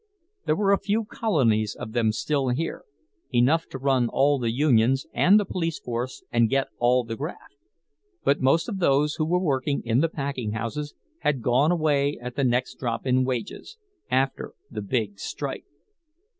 There were a few colonies of them still here, enough to run all the unions and the police force and get all the graft; but most of those who were working in the packing houses had gone away at the next drop in wages—after the big strike.